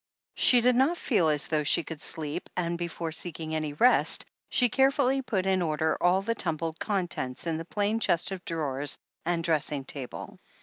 She did not feel as though she could sleep, and before seeking any rest, she carefully put in order all the tumbled contents in the plain chest of drawers and dressing table.